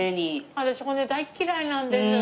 私骨大っ嫌いなんです。